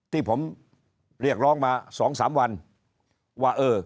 ที่ผมเรียกร้องมา๒๓วันว่าเออ